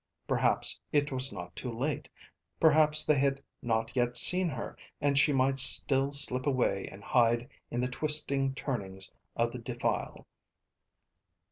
Perhaps it was not too late, perhaps they had not yet seen her and she might still slip away and hide in the twisting turnings of the defile.